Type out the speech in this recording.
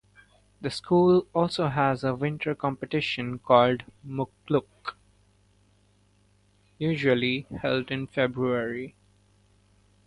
The school also has a winter competition called Mukluk, usually held in February.